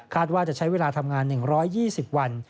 ว่าจะใช้เวลาทำงาน๑๒๐วัน